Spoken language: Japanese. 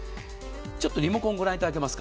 ちょっとリモコンをご覧いただけますか。